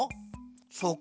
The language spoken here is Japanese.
そうか。